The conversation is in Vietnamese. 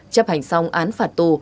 chấp hành xong án phạt tù